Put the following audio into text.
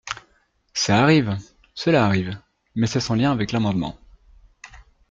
Ça arrive ! Cela arrive, mais c’est sans lien avec l’amendement.